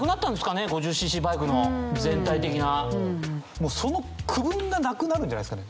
もうその区分がなくなるんじゃないですかね？